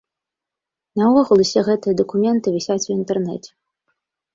Наогул усе гэтыя дакументы вісяць у інтэрнэце.